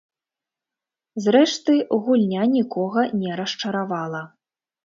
Зрэшты, гульня нікога не расчаравала.